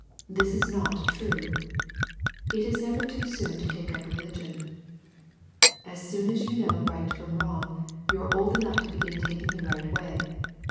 This is not true. It is never too soon to take up religion. As soon as you know right from wrong, you are old enough to begin taking the right way.